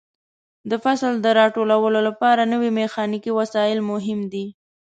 د فصل د راټولولو لپاره نوې میخانیکي وسایل مهم دي.